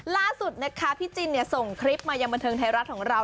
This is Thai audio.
ล่าสุดนะคะพี่จินส่งคลิปมายังบันเทิงไทยรัฐของเรา